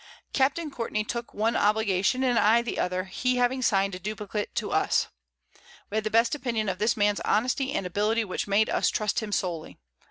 Capt. Courtney took one Obligation, and I the other, he having sign'd a Duplicate to us. We had the best Opinion of this Man's Honesty and Ability, which made us trust him solely.